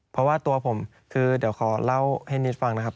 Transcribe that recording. เพราะว่าตัวผมคือเดี๋ยวขอเล่าให้นิดฟังนะครับ